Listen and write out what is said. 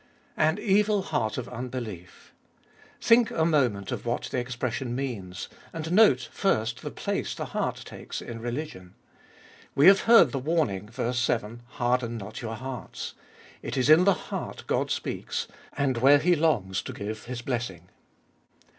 An evil heart of unbelief. Think a moment of what the expression means. And note first the place the heart takes in religion. We have heard the warning (ver. 7), Harden not your hearts. It is in the heart God speaks, and where He longs to give His blessing.